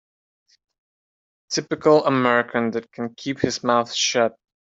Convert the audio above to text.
Typical American that can keep his mouth shut.